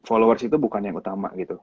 followers itu bukan yang utama gitu